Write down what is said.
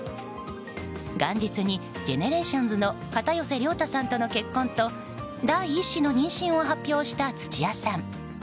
元日にＧＥＮＥＲＡＴＩＯＮＳの片寄涼太さんとの結婚と第１子の妊娠を発表した土屋さん。